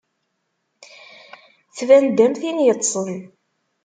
Tban-d am tin yeṭṭsen.